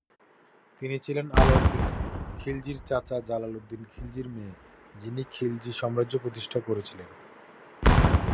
তিনি ছিলেন আলাউদ্দিন খিলজির চাচা জালালউদ্দিন খিলজির মেয়ে, যিনি খিলজি সাম্রাজ্য প্রতিষ্ঠা করেছিলেন।